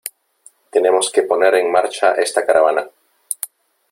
Tenemos que poner en marcha esta caravana .